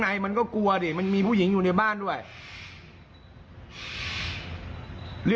จะต้องมีความผิดจะต้องมีบาปติดตัวไปตลอดชีวิตแน่นอน